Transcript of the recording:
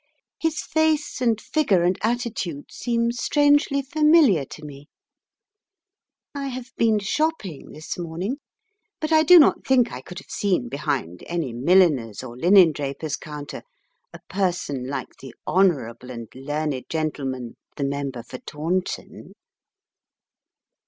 His face and figure and attitude seem strangely familiar to me. I have been shopping this morning, but I do not think I could have seen behind any milliner's or linendraper's counter a person like the hon. and learned gentleman the member for Taunton.